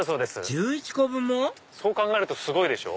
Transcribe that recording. １１個分も⁉そう考えるとすごいでしょ。